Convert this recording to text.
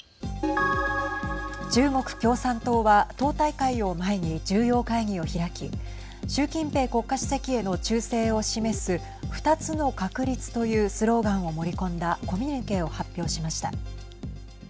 中国共産党は党大会を前に重要会議を開き習近平国家主席への忠誠を示す２つの確立というスローガンを盛り込んだコミュニケを発表しました。